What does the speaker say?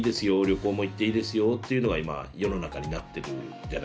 旅行も行っていいですよっていうのが今世の中になってるじゃないですか。